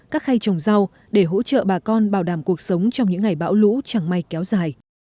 các khay trồng rau để hỗ trợ bà con bảo đảm cuộc sống trong những ngày bão lũ chẳng may kéo dài